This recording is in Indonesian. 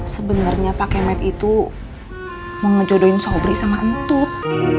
sebenarnya pak kemet itu mau ngejodohin sobri sama entut